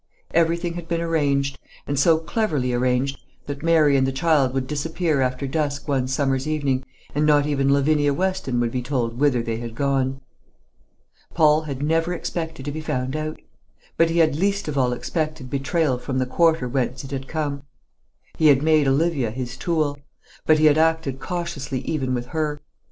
Everything had been arranged, and so cleverly arranged, that Mary and the child would disappear after dusk one summer's evening, and not even Lavinia Weston would be told whither they had gone. Paul had never expected to be found out. But he had least of all expected betrayal from the quarter whence it had come. He had made Olivia his tool; but he had acted cautiously even with her.